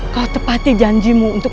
kau tepati janjimu untuk